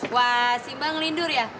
wah simba ngelindur ya